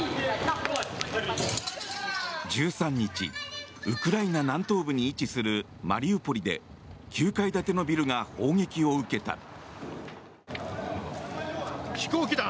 １３日、ウクライナ南東部に位置するマリウポリで９階建てのビルが砲撃を受けた。